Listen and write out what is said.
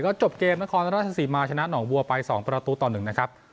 ก็จบเกมนาทีสี่สิบมาชนะหนองบัวไปสองประตูต่อหนึ่งนะครับ